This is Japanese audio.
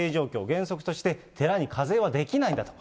原則として寺に課税はできないんだと。